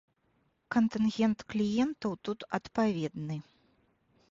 Кантынгент кліентаў тут адпаведны.